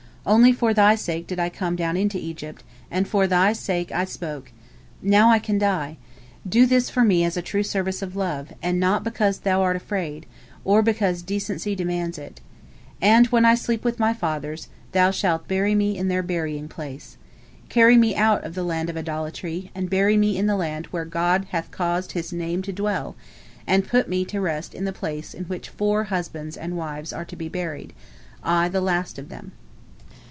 Only for thy sake did I come down into Egypt, and for thy sake I spoke, Now I can die. Do this for me as a true service of love, and not because thou art afraid, or because decency demands it. And when I sleep with my fathers, thou shalt bury me in their burying place. Carry me out of the land of idolatry, and bury me in the land where God hath caused His Name to dwell, and put me to rest in the place in which four husbands and wives are to be buried, I the last of them."